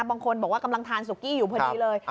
บางคนบอกว่ากำลังทานสุกี้อยู่พอดีเลย